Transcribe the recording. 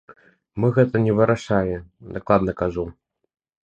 Мы гэтага не вырашалі, дакладна кажу.